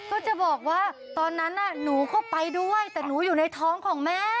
ก็จะบอกว่าตอนนั้นหนูก็ไปด้วยแต่หนูอยู่ในท้องของแม่